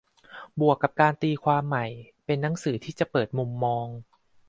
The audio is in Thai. บวกกับการตีความใหม่ - เป็นหนังสือที่จะเปิดมุมมอง